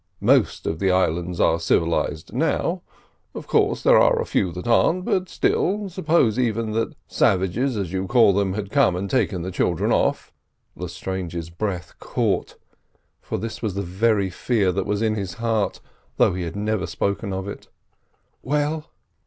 Most of the islands are civilised now. Of course there are a few that aren't, but still, suppose even that 'savages,' as you call them, had come and taken the children off—" Lestrange's breath caught, for this was the very fear that was in his heart, though he had never spoken it. "Well?"